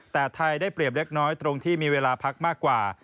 แต่ไทยได้เปรียบเล็กน้อยตรงที่มีเวลาพักมากกว่า